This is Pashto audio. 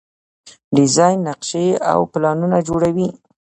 ډیزاین نقشې او پلانونه جوړوي.